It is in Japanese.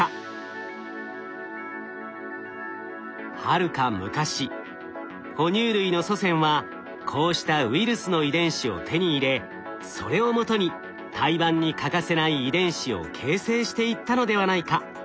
はるか昔ほ乳類の祖先はこうしたウイルスの遺伝子を手に入れそれをもとに胎盤に欠かせない遺伝子を形成していったのではないか。